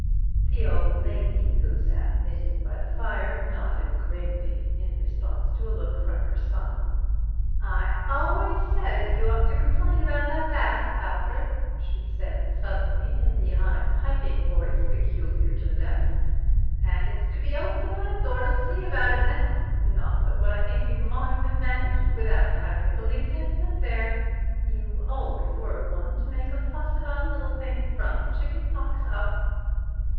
The old lady who sat knitting by the fire nodded grimly in response to a look from her son. "I always said as you ought to complain about that bath, Alfred," she said suddenly, in the high, piping voice peculiar to the deaf, "and it's to be 'oped the landlord'll see about it now; not but what I think you might have managed without having the police in, but there! you always were one to make a fuss about a little thing, from chicken pox up."